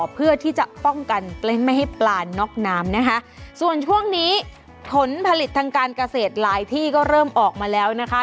เพื่อที่จะป้องกันไม่ให้ปลาน็อกน้ำนะคะส่วนช่วงนี้ผลผลิตทางการเกษตรหลายที่ก็เริ่มออกมาแล้วนะคะ